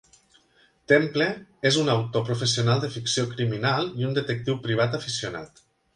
Temple és un autor professional de ficció criminal i un detectiu privat aficionat.